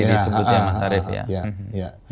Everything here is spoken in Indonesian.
disebutnya mas harif ya